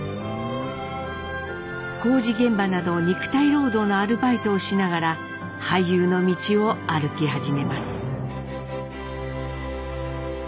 工事現場など肉体労働のアルバイトをしながら俳優の道を歩き始めます。